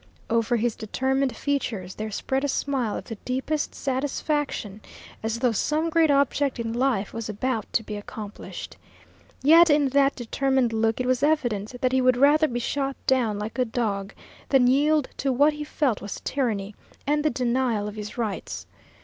Over his determined features there spread a smile of the deepest satisfaction, as though some great object in life was about to be accomplished. Yet in that determined look it was evident that he would rather be shot down like a dog than yield to what he felt was tyranny and the denial of his rights.